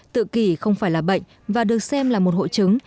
tự kỷ không phải là bệnh và được xem là một hộ trứng